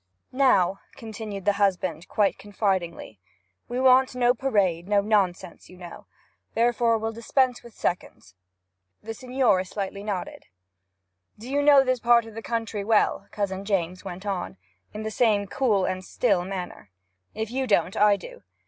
'Now,' continued the husband, quite confidingly, 'we want no parade, no nonsense, you know. Therefore we'll dispense with seconds?' The signor slightly nodded. 'Do you know this part of the country well?' Cousin James went on, in the same cool and still manner. 'If you don't, I do.